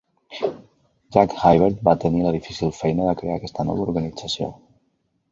Jack Hibbert va tenir la difícil feina de crear aquesta nova organització.